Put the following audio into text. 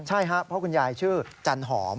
ใช่ครับเพราะคุณยายชื่อจันหอม